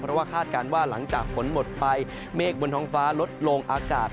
เพราะว่าคาดการณ์ว่าหลังจากฝนหมดไปเมฆบนท้องฟ้าลดลงอากาศ